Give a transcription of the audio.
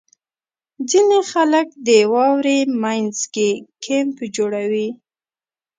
• ځینې خلک د واورې مینځ کې کیمپ جوړوي.